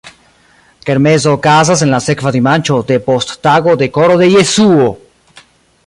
Kermeso okazas en la sekva dimanĉo depost tago de Koro de Jesuo.